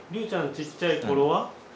ちっちゃい頃は？